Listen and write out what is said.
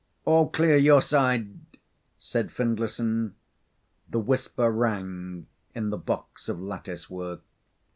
"'All clear your side?" said Findlayson. The whisper rang in the box of lattice work.